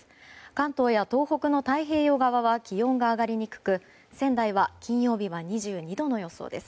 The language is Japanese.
関東や東北の太平洋側は気温が上がりにくく仙台は金曜日は２２度の予想です。